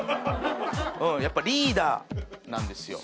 うんやっぱリーダーなんですよ。